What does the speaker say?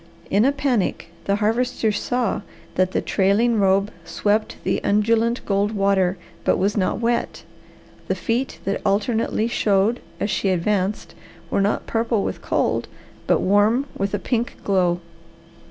In a panic the Harvester saw that the trailing robe swept the undulant gold water, but was not wet; the feet that alternately showed as she advanced were not purple with cold, but warm with a pink glow.